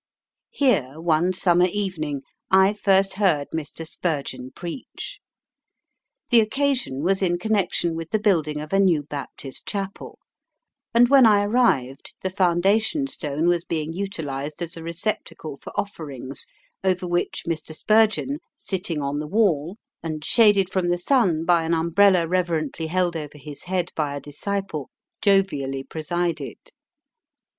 Here one summer evening I first heard Mr. Spurgeon preach. The occasion was in connection with the building of a new Baptist Chapel, and when I arrived the foundation stone was being utilised as a receptacle for offerings, over which Mr. Spurgeon, sitting on the wall, and shaded from the sun by an umbrella reverently held over his head by a disciple, jovially presided.